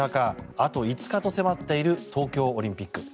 あと５日と迫っている東京オリンピック。